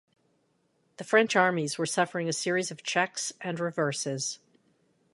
The French armies were suffering a series of checks and reverses.